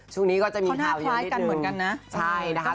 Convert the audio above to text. ช่วงนี้ก็จะมีเท่าเยอะนิดหนึ่งนะใช่นะคะก็เขาหน้าคล้ายกันเหมือนกันนะ